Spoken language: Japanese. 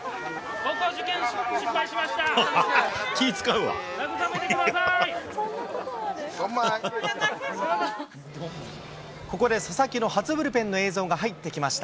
高校受験失敗しました。